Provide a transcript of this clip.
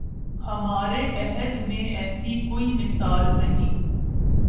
ہمارے عہد میں ایسی کوئی مثال نہیں